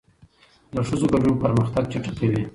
د ښځو ګډون پرمختګ چټکوي.